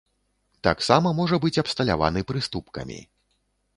Таксама можа быць абсталяваны прыступкамі.